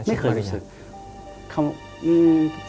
ไม่เคยรู้สึก